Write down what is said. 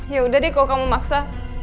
yaudah deh kalau kamu maksa